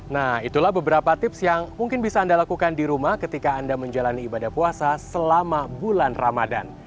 nah itulah beberapa tips yang mungkin bisa anda lakukan di rumah ketika anda menjalani ibadah puasa selama bulan ramadan